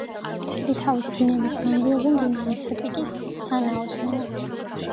მთელი თავისი დინების მანძილზე მდინარე სეპიკი სანაოსნოა.